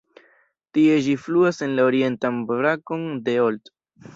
Tie ĝi fluas en la orientan brakon de Olt.